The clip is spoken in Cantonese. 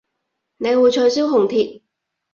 你會取消紅帖